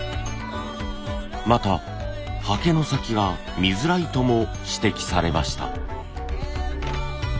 またはけの先が見づらいとも指摘されました。